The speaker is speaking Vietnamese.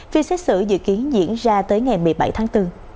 phiên xét xử dự kiến diễn ra tới ngày một mươi bảy tháng bốn